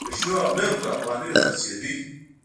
په شنو او نغدو افغانیو خرڅېده.